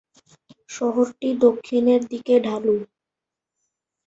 শহরটি দক্ষিণের দিকে ঢালু।